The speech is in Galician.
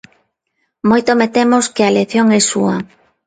Moito me temos que a elección é súa.